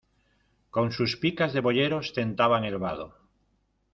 con sus picas de boyeros tentaban el vado.